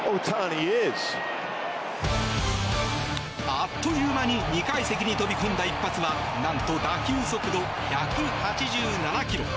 あっという間に２階席に飛び込んだ一発は何と打球速度１８７キロ。